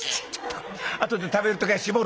あとで食べる時は絞る」。